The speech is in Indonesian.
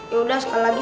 yaudah sekali lagi